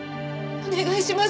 お願いします。